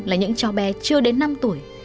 là những cháu bé chưa đến năm tuổi